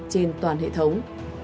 trên toàn hệ thống